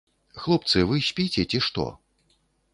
Хлопцы, вы спіце, ці што?